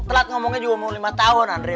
telat ngomongnya juga mau lima tahun andre